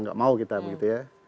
nggak mau kita begitu ya